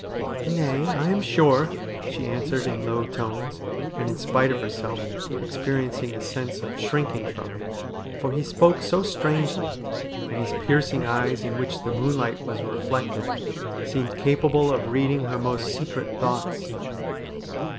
' Nay, I am sure,' she answered in low tones, and, in spite of herself, experiencing a sense of shrinking from him, for he spoke so strangely, and his piercing eyes, in which the moonlight was reflected, seemed capable of reading her most secret thoughts.